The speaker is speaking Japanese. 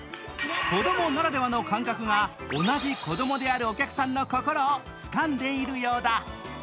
子供ならではの感覚が同じ子供であるお客さんの心をつかんでいるようだ。